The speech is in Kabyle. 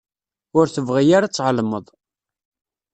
Ur tebɣi ara ad tεelmeḍ.